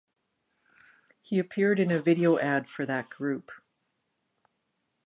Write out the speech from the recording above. He appeared in a video ad for that group.